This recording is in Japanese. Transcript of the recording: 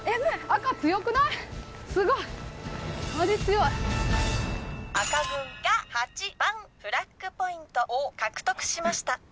赤軍が８番フラッグポイントを獲得しました！